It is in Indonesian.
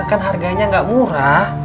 kan harganya nggak mudah